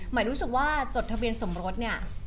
หมายรู้สึกว่าจดทะเบียนสมรสเนี่ย